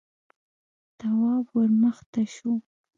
تواب ور مخته شو: